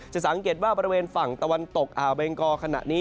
สังเกตว่าบริเวณฝั่งตะวันตกอ่าวเบงกอขณะนี้